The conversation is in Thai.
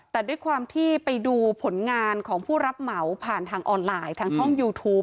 แต่ด้วยความที่ไปดูผลงานของผู้รับเหมาผ่านทางออนไลน์ทางช่องยูทูป